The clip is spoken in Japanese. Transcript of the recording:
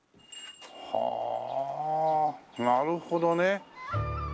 はあなるほどね。